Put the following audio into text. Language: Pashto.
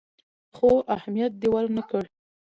خو اهميت دې ورنه کړ.